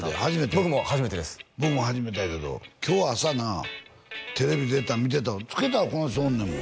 僕も初めてです僕も初めてやけど今日朝なテレビ出てたの見てたわつけたらこの人おんねんもん